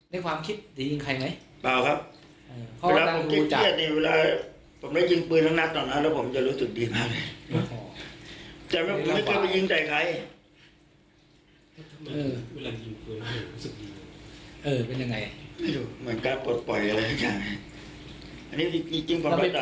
เดี๋ยวด่วนวันซับปืนอะไรแบบนี้